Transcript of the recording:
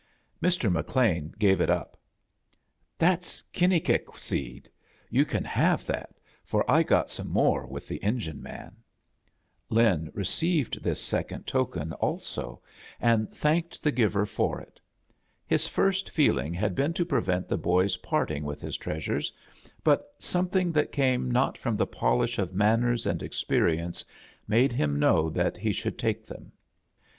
Mr. McLean gave H up. "That's kinni fcinnic seed. You can have that, for I got some more with the engine man." Lin received this second token also, and y/ A JOURNEY IN SEARCH OF CHRISTMAS thanked the giver for it. His first feeling had been to prevent the boy's parting with his treasures, but something that came not from the polish of manners and experience made him know that he shotild take them.